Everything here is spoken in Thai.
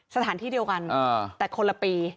สถานที่เดียวกันแต่คนละปี